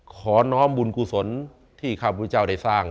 ขอน้อมบุญกุศลที่ข้าพุทธเจ้าได้สร้าง